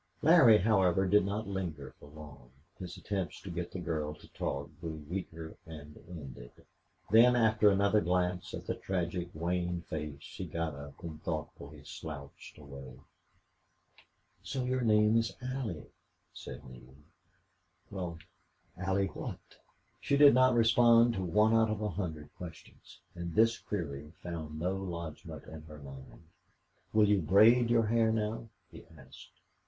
Larry, however, did not linger for long. His attempts to get the girl to talk grew weaker and ended; then, after another glance at the tragic, wan face he got up and thoughtfully slouched away. "So your name is Allie," said Neale. "Well, Allie what?" She did not respond to one out of a hundred questions, and this query found no lodgment in her mind. "Will you braid your hair now?" he asked.